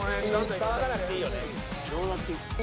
騒がなくていいよね。